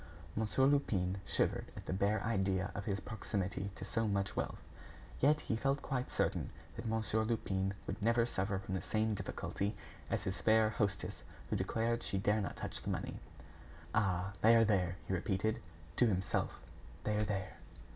Monsieur Lupin shivered at the bare idea of his proximity to so much wealth. Yet he felt quite certain that Monsieur Lupin would never suffer from the same difficulty as his fair hostess who declared she dare not touch the money. "Ah! they are there!" he repeated, to himself; "they are there!"